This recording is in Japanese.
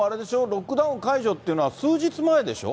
ロックダウン解除っていうのは、数日前でしょ？